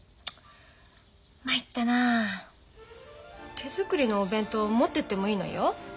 手作りのお弁当持ってってもいいのよ。